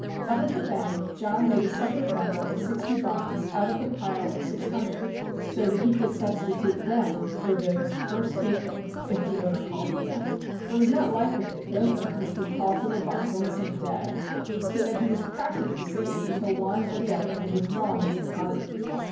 Up at the bank John made a separate bundle of sixty bonds out of the pile of six hundred so that he could substitute them for those first taken if the owner called for them. It was not likely that both owners would call for their bonds on the same day, so that he was practically safe until one or the other had withdrawn his deposit.